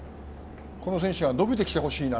この選手に伸びてきてほしいな。